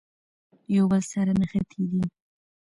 یو بل سره نښتي دي.